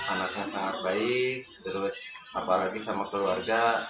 anaknya sangat baik terus apalagi sama keluarga